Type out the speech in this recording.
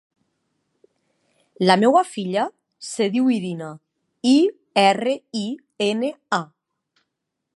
La meva filla es diu Irina: i, erra, i, ena, a.